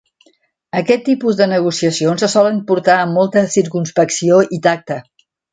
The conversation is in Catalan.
Aquest tipus de negociacions se solen portar amb molta circumspecció i tacte.